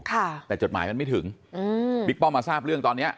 ค่ะแต่จดหมายมันไม่ถึงอืมบิ๊กป้อมมาทราบเรื่องตอนเนี้ย